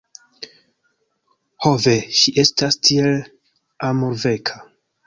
Ho ve! Ŝi estas tiel amorveka!!!